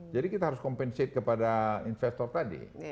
jadi kita harus compensate kepada investor tadi